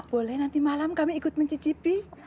boleh nanti malam kami ikut mencicipi